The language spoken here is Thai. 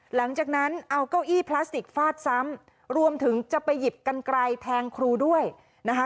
หลังจากนั้นเอาเก้าอี้พลาสติกฟาดซ้ำรวมถึงจะไปหยิบกันไกลแทงครูด้วยนะคะ